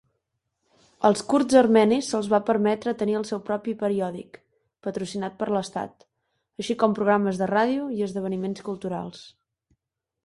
Als kurds armenis se'ls va permetre tenir el seu propi periòdic, patrocinat per l'estat, així com programes de ràdio i esdeveniments culturals.